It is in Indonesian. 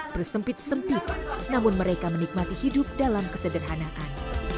bersempit sempit namun mereka menikmati hidup dalam kesederhanaan